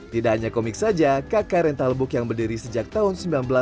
tidak hanya komik saja kk rental book yang berdiri sejak tahun seribu sembilan ratus sembilan puluh